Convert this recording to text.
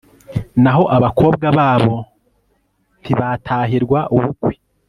naho abakobwa babo ntibatahirwa ubukwe